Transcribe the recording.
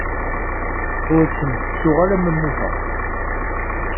Ur kem-tettuɣ alamma mmuteɣ.